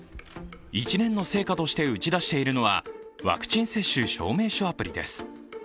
１年の成果として打ち出しているのは、ワクチン接種証明書アプリです。